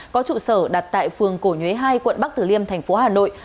có trụ sở đặt tại phường cổ nhuế hai quận bắc tử liêm thành phố hà nội